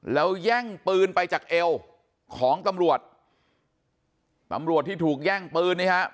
แล้วแย่งปืนไปจากเอวของตำรวจตำรวจที่ถูกแย่งปืนนี้ฮะ